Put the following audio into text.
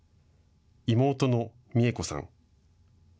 妹の美枝子さん。